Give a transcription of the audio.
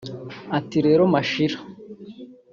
ati "Rero Mashira